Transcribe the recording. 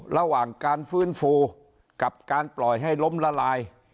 ระหว่างการฟื้นฟูกับการปล่อยให้ล้มละลาย